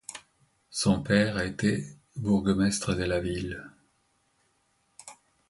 Son père a été bourgmestre de la ville.